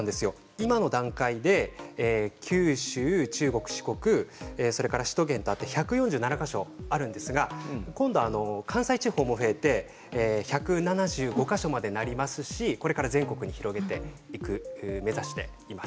今の段階で九州、中国四国、首都圏とあって１４７か所あるんですが今度、関西地方も増えて１７５か所までになりますしこれから全国に広げて目指しています。